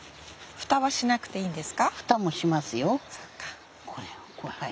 蓋もしますよ。